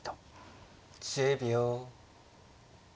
１０秒。